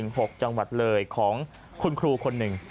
อาจารย์๗๕๑๖จังหวัดเลยของคุณครูคนหนึ่ง